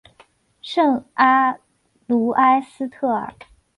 圣阿卢埃斯特尔。